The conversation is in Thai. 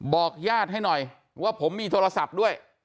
บอกญาติให้หน่อยว่าผมมีโทรศัพท์ด้วย